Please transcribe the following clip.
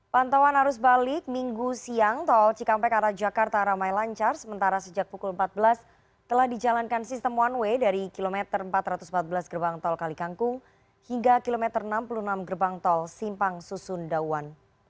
pantauan arus balik minggu siang tol cikampek arah jakarta ramai lancar sementara sejak pukul empat belas telah dijalankan sistem one way dari kilometer empat ratus empat belas gerbang tol kalikangkung hingga kilometer enam puluh enam gerbang tol simpang susundawan